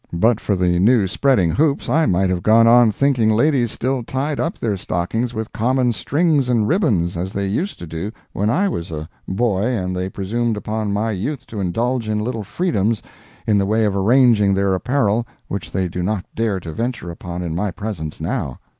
But for the new spreading hoops, I might have gone on thinking ladies still tied up their stockings with common strings and ribbons as they used to do when I was a boy and they presumed upon my youth to indulge in little freedoms in the way of arranging their apparel which they do not dare to venture upon in my presence now.